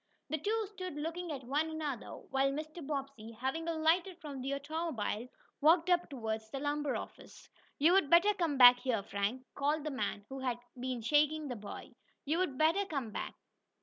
The two stood looking at one another, while Mr. Bobbsey, having alighted from the automobile, walked up toward the lumber office. "You'd better come back here, Frank," called the man who had been shaking the boy. "You'd better come back."